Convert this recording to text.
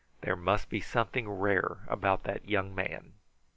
There must be something rare about that young man."